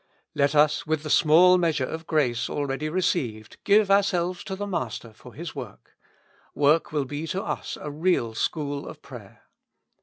Let us with the small measure of grace already received, give our selves to the Master for His work ; work will be to us a real school of prayer.